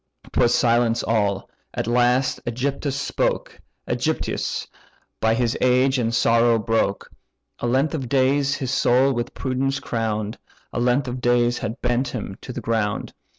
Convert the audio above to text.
'Twas silence all. At last AEgyptius spoke; AEgyptius, by his age and sorrow broke; A length of days his soul with prudence crown'd, A length of days had bent him to the ground.